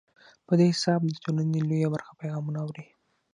په دې حساب د ټولنې لویه برخه پیغامونه اوري.